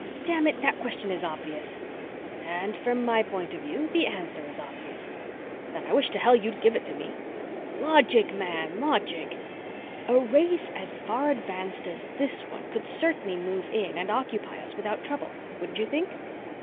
"Damnit, that question is obvious." "And from my point of view, the answer is obvious." "Then I wish to hell you'd give it to me." "Logic, man, logic! A race as far advanced as this one could certainly move in and occupy us without trouble. Wouldn't you think?"